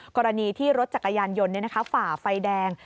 กรณีที่รถจักรยานยนต์ฝ่าไฟแดง